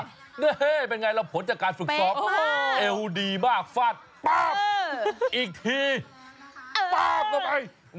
นี่เป็นไงล่ะผลจากการฝึกซ้อมเอวดีมากฟาดป๊าบอีกทีป๊าบเข้าไป